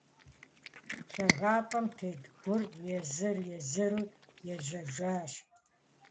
Лъагапӏэм тет гур езыр-езыру ежэжьащ.